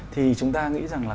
thì chúng ta nghĩ rằng là